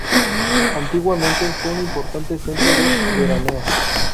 Antiguamente fue un importante centro de veraneo.